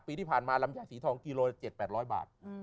ปีที่ผ่านมาลำไยสีทองกิโลละ๗๘๐๐บาท